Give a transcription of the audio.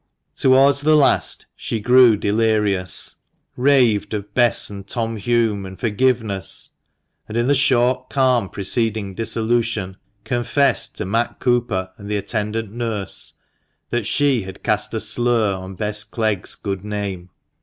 Towards the last she grew delirious, raved of Bess and Tom Hulme and forgiveness, and in the short calm preceding dissolution, confessed to Matt Cooper and the attendant nurse that she had cast a slur on Bess Clegg's good name.